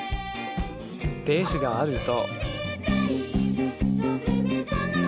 ベースがあると。